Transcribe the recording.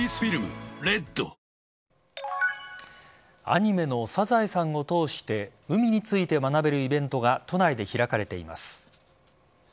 アニメの「サザエさん」を通して海について学べるイベントが都内で開かれています。